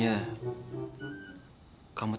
nanti aku mau ke rumah